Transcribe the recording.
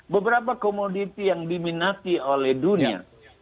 beberapa komoditi yang diminati oleh dunia